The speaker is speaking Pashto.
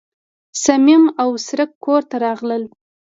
صمیم او څرک کور ته راغلل.